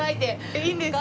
いいんですか？